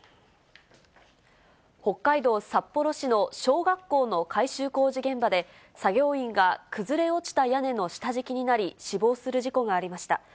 北海道札幌市の小学校の改修工事現場で、作業員が崩れ落ちた屋根の下敷きになり、死亡する事故がありました。